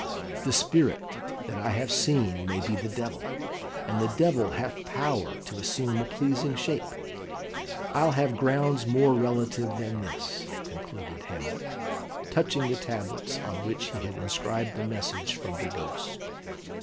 The spirit that I have seen may be the devil; and the devil hath power to assume a pleasing shape. I'll have grounds more relative than this," concluded Hamlet, touching the tablets on which he had inscribed the message from the Ghost.